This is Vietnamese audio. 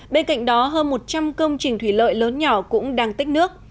bên cạnh đó hơn một trăm linh công trình thủy lợi lớn nhỏ cũng đang tích nước